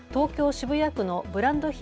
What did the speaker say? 渋谷区のブランド品